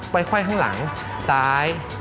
ไว้ค่อยข้างหลังซ้าย